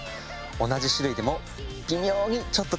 同じ種類でも微妙にちょっと違う。